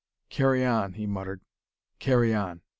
"Carry on!" he muttered. "Carry on!"